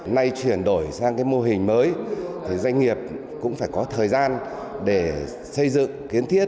nay chuyển đổi sang mô hình mới doanh nghiệp cũng phải có thời gian để xây dựng kiến thiết